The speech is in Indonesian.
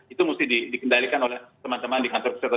itu mesti dikendalikan oleh teman teman di kantor pusat